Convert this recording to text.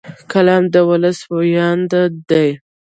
قلم د ولس ویاند دی